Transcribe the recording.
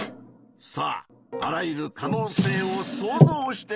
さああらゆる可能性を想像してみてくれ。